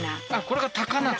これが高菜